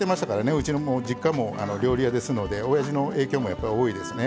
うちの実家も料理屋ですのでおやじの影響もやっぱり多いですね。